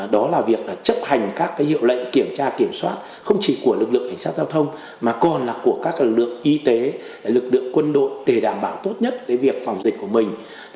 đó là việc chấp hành các hiệu lệnh kiểm tra kiểm soát không chỉ của lực lượng cảnh sát giao thông mà còn là của các lực lượng y tế lực lượng quân đội để đảm bảo tốt nhất việc phòng dịch của mình